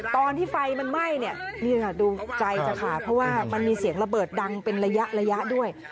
ตอนที่ไฟมันไหม้เนี่ยนี่ค่ะดูใจจะขาดเพราะว่ามันมีเสียงระเบิดดังเป็นระยะด้วย